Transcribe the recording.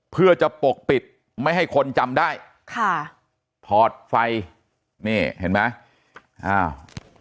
เพื่อจะปกปิดไม่ให้คนจำได้ค่ะถอดไฟนี่เห็นไหมอ้าว